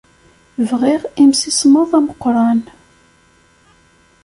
Bɣiɣ imsismeḍ ameqqran.